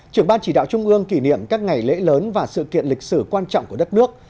trưởng ban chỉ đạo trung ương kỷ niệm các ngày lễ lớn và sự kiện lịch sử quan trọng của đất nước